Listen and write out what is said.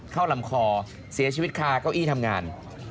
ลำคอเสียชีวิตคาเก้าอี้ทำงาน